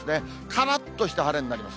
からっとした晴れになります。